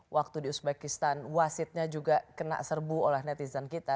waktu di uzbekistan wasitnya juga kena serbu oleh netizen kita